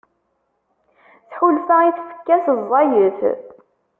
Tḥulfa i tfekka-s ẓẓayet.